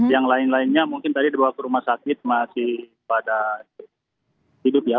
yang lain lainnya mungkin tadi dibawa ke rumah sakit masih pada hidup ya